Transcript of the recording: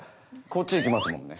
こっちへ行きますもんね。